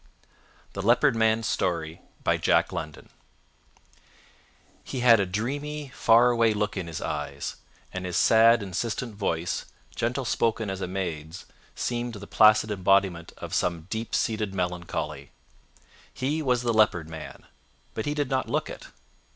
THE LEOPARD MAN'S STORY He had a dreamy, far away look in his eyes, and his sad, insistent voice, gentle spoken as a maid's, seemed the placid embodiment of some deep seated melancholy. He was the Leopard Man, but he did not look it.